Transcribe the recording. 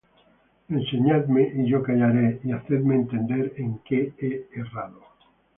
Enseñadme, y yo callaré: Y hacedme entender en qué he errado.